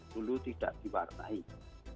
dulu tidak diwarnainya